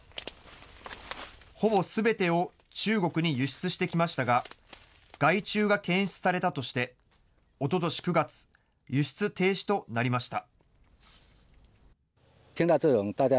ほぼすべてを中国に輸出してきましたが、害虫が検出されたとして、おととし９月、輸出停止となりました。